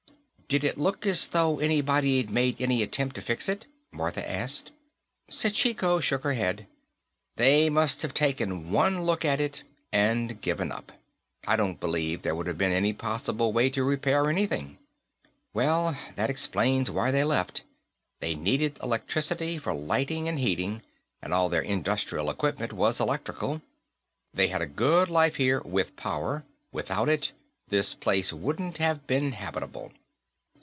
"Did it look as though anybody'd made any attempt to fix it?" Martha asked. Sachiko shook her head. "They must have taken one look at it and given up. I don't believe there would have been any possible way to repair anything." "Well, that explains why they left. They needed electricity for lighting, and heating, and all their industrial equipment was electrical. They had a good life, here, with power; without it, this place wouldn't have been habitable."